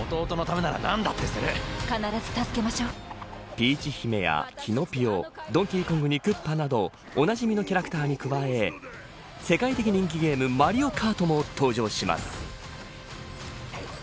ピーチ姫やキノピオドンキーコングにクッパなどおなじみのキャラクターに加え世界的人気ゲームマリオカートも登場します。